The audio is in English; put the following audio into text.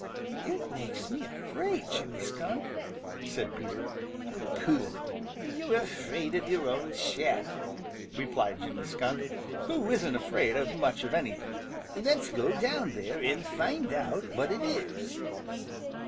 It makes me afraid, Jimmy Skunk," said Peter. "Pooh! You're afraid of your own shadow!" replied Jimmy Skunk, who isn't afraid of much of anything. "Let's go down there and find out what it is."